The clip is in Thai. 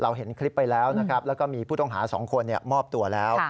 เห็นคลิปไปแล้วนะครับแล้วก็มีผู้ต้องหา๒คนมอบตัวแล้ว